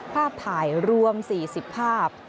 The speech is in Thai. ภาพถ่ายรวม๔๐ภาพ